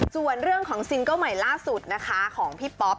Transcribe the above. ส่วนเรื่องของซิงเกิ้ลใหม่ล่าสุดนะคะของพี่ป๊อป